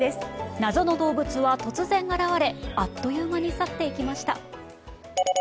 謎の動物は突然現れあっという間に去っていきました。